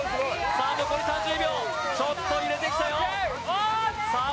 さあ残り３０秒ちょっと揺れてきたよさあ